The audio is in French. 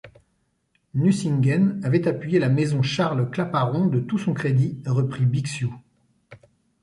Nucingen avait appuyé la maison Charles Claparon de tout son crédit, reprit Bixiou.